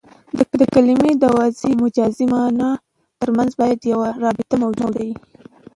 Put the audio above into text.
د کلمې د وضعي او مجازي مانا ترمنځ باید یوه رابطه موجوده يي.